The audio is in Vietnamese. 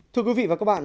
thưa quý vị và các bạn